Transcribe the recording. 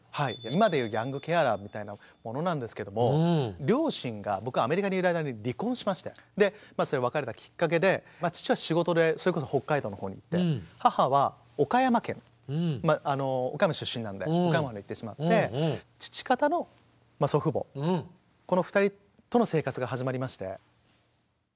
今で言うヤングケアラーみたいなものなんですけども両親が僕がアメリカにいる間に離婚しまして別れたきっかけで父は仕事でそれこそ北海道の方に行って母は岡山県岡山出身なので岡山の方へ行ってしまって父方の祖父母この２人との生活が始まりまして。